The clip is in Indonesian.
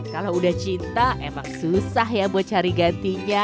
kalau udah cinta emang susah ya buat cari gantinya